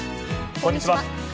こんにちは。